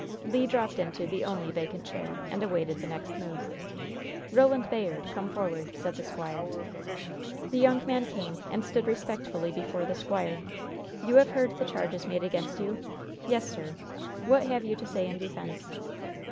Le dropped into the only vacant chair, and awaited the next move. "Roland Bayard, come forward," said the squire. The young man came, and stood respectfully before the squire. "You have heard the charges made against you?" "Yes, sir." "What have you to say in defense?"